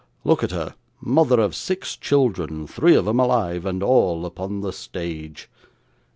Look at her mother of six children three of 'em alive, and all upon the stage!